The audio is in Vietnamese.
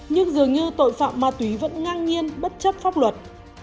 nhưng dường như tội phạm ma túy vẫn ngang nhiên bất chấp pháp luật